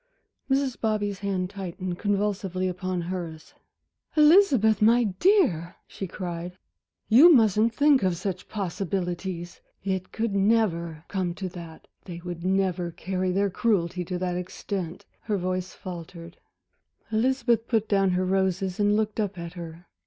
Mrs. Bobby's hand tightened convulsively upon hers. "Elizabeth, my dear," she cried, "you mustn't think of such possibilities. It could never come to that, they would never carry their cruelty to that extent" Her voice faltered. Elizabeth put down her roses and looked up at her.